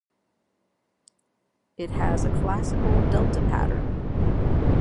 It has a classical "delta pattern".